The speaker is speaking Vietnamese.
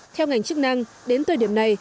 theo ngành chức năng đến thời điểm này